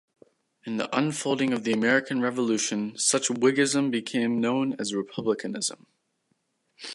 In the unfolding of the American Revolution such whiggism became known as republicanism.